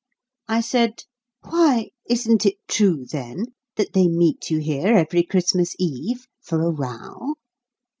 I said, "Why; isn't it true, then, that they meet you here every Christmas Eve for a row?"